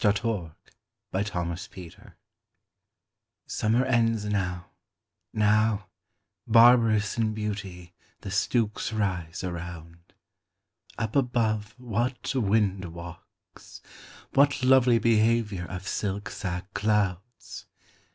14 Hurrahing in Harvest SUMMER ends now; now, barbarous in beauty, the stooks rise Around; up above, what wind walks! what lovely behaviour Of silk sack clouds!